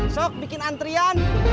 sok bikin antrian